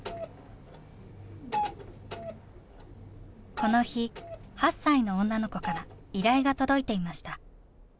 この日８歳の女の子から依頼が届いていました。